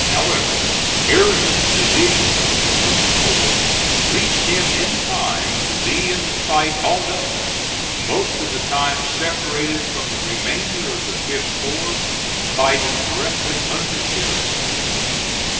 However, Ayres's division of Warren's corps reached him in time to be in the fight all day, most of the time separated from the remainder of the 5th corps and fighting directly under Sheridan.